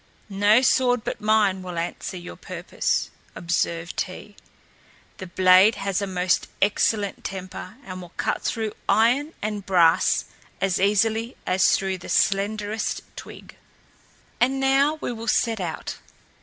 "No sword but mine will answer your purpose," observed he; "the blade has a most excellent temper and will cut through iron and brass as easily as through the slenderest twig. And now we will set out.